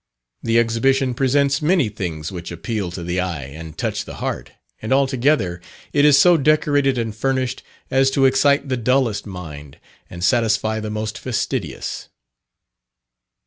The Exhibition presents many things which appeal to the eye and touch the heart, and altogether, it is so decorated and furnished, as to excite the dullest mind, and satisfy the most fastidious.